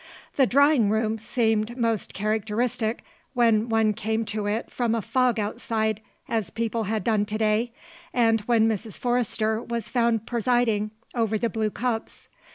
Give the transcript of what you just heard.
The drawing room seemed most characteristic when one came to it from a fog outside, as people had done to day, and when Mrs. Forrester was found presiding over the blue cups.